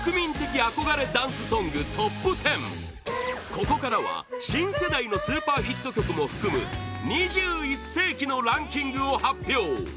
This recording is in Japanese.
ここからは、新世代のスーパーヒット曲も含む２１世紀のランキングを発表